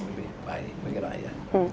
lebih baik lebih rakyat